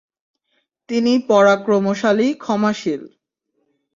তিনি পরাক্রমশালী, ক্ষমাশীল।